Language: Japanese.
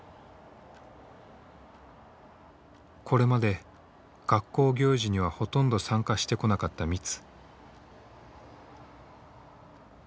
これまで学校行事にはほとんど参加してこなかったミツ。